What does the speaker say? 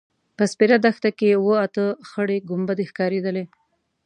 په سپېره دښته کې اوه – اته خړې کومبدې ښکارېدلې.